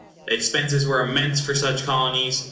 The expenses were immense for such Colonies.